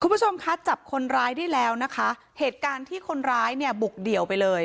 คุณผู้ชมคะจับคนร้ายได้แล้วนะคะเหตุการณ์ที่คนร้ายเนี่ยบุกเดี่ยวไปเลย